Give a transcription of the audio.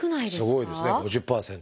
すごいですね５０％。